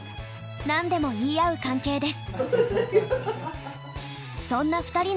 何でも言い合う関係です。